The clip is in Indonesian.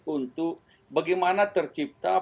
untuk bagaimana tercipta